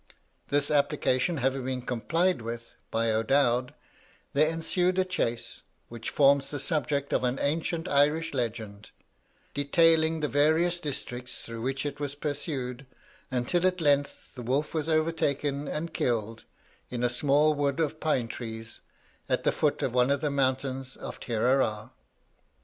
This application having been complied with by O'Dowd, there ensued a chase, which forms the subject of an ancient Irish legend, detailing the various districts through which it was pursued, until at length the wolf was overtaken and killed in a small wood of pine trees, at the foot of one of the mountains of Tireragh.